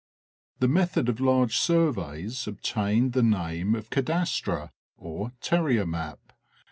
The method of large surveys obtained the name of Cadastre (Terrier map).